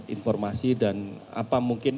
informasi dan apa mungkin